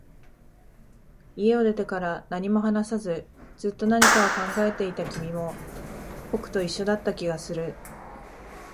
家を出てから、何も話さず、ずっと何かを考えていた君も、僕と一緒だった気がする